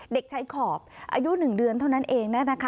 เด็กชายขอบอายุ๑เดือนเท่านั้นเอง